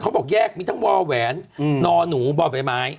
เขาบอกแยกมีทั้งว่าแหวนนอหนูบ่อยไม้